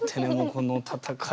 この戦いが。